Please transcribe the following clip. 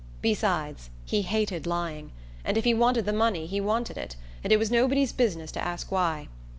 Besides, he hated lying; if he wanted the money he wanted it, and it was nobody's business to ask why.